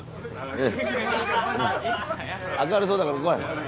明るそうだから来い。